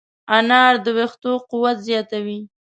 انار د ویښتو قوت زیاتوي.